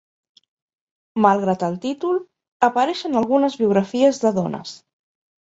Malgrat el títol, apareixen algunes biografies de dones.